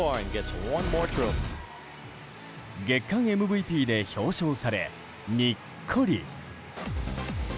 月間ＭＶＰで表彰されにっこり。